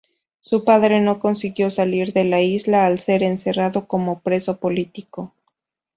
Su padre no consiguió salir de la isla, al ser encerrado como preso político.